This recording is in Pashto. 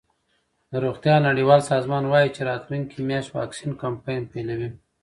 د روغتیا نړیوال سازمان وايي چې راتلونکې میاشت واکسین کمپاین پیلوي.